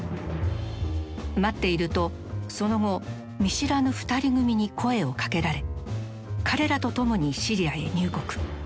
待っているとその後見知らぬ二人組に声をかけられ彼らと共にシリアへ入国。